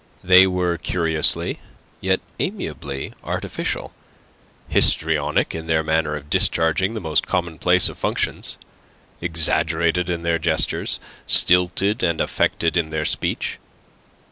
They were curiously, yet amiably, artificial; histrionic in their manner of discharging the most commonplace of functions; exaggerated in their gestures; stilted and affected in their speech.